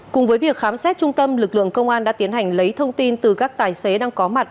cùng với việc khám xét trung tâm lực lượng công an đã tiến hành lấy thông tin từ các tài xế đang có mặt